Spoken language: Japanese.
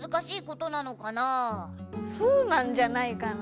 そうなんじゃないかな。